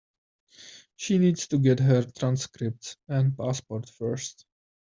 She needs to get her transcripts and passport first.